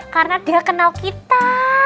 karena dia kenal kita